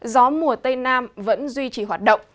gió mùa tây nam vẫn duy trì hoạt động